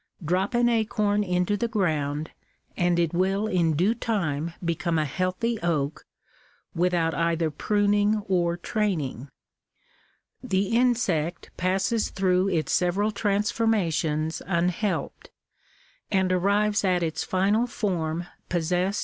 Drop an acorn into the ground, and it will in due time become a healthy oak without either pruning or training. The insect passes through its several transformations unhelped, and arrives at its final form possessed Digitized by VjOOQIC THE RIGHTS OF CHILDREN.